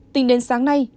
tính đến sáng nay